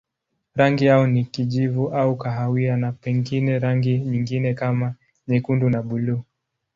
Rangi yao ni kijivu au kahawia na pengine rangi nyingine kama nyekundu na buluu.